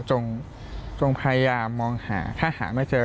จงพยายามมองหาถ้าหาไม่เจอ